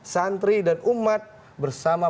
santri dan umat bersama